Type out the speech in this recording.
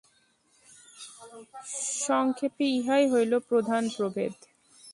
সংক্ষেপে ইহাই হইল প্রধান প্রভেদ।